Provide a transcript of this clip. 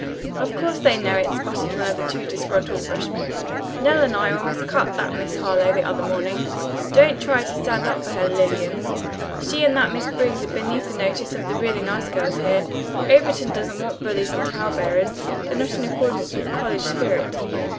"Of course they know it," sputtered one of the two disgruntled freshmen. "Nell and I almost cut that Miss Harlowe the other morning. Don't try to stand up for her, Lillian. She and that Miss Briggs are beneath the notice of the really nice girls here. Overton doesn't want bullies and tale bearers. They're not in accordance with college spirit."